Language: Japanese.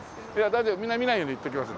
大丈夫みんな見ないように言っときます。